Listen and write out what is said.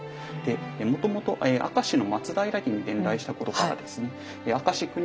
もともと明石の松平家に伝来したことからですね